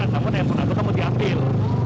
namun handphone aku akan diambil